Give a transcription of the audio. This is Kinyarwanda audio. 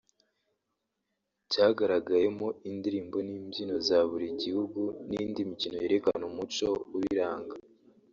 cyagaragayemo indirimbo n’imbyino za buri gihugu n’indi mikino yerekana umuco ubiranga